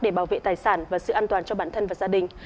để bảo vệ tài sản và sự an toàn cho bản thân và gia đình